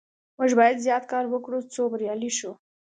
موږ باید زیات کار وکړو څو بریالي شو.